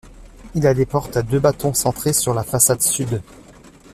Il a des porte à deux battants centrées sur la façade sud.